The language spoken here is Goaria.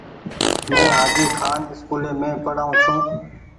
مين هآجي کآن اسڪولي مين پڙآئو ڇون۔